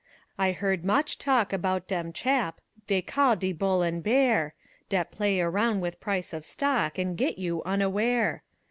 I heard moch talk about dem chap Dey call de Bull an' Bear, Dat play aroun' with price of stock An' get you unaware.